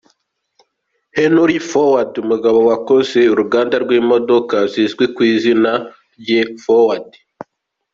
Henry Ford umugabo wakoze uruganda rw’imodoka zizwi kw’izina rye “Ford”.